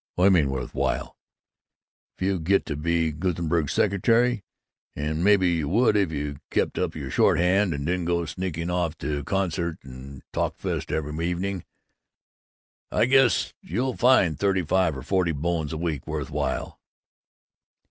"What do you mean 'worth while'? If you get to be Gruensberg's secretary and maybe you would, if you kept up your shorthand and didn't go sneaking off to concerts and talk fests every evening I guess you'll find thirty five or forty bones a week worth while!"